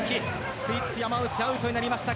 クイック山内アウトになりました。